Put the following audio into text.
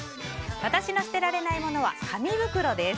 私の捨てられないものは紙袋です。